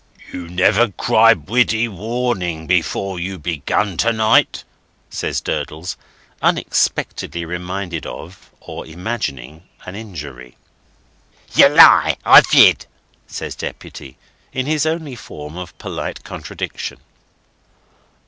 "You never cried Widdy Warning before you begun to night," says Durdles, unexpectedly reminded of, or imagining, an injury. "Yer lie, I did," says Deputy, in his only form of polite contradiction.